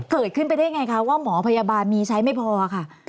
เกิดขึ้นไปได้ไงคะว่าหมอพยาบาลมีใช้ไม่พอค่ะ